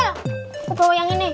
aku bawa yang ini